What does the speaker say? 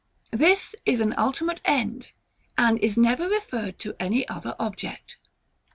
This is an ultimate end, and is never referred to any other object.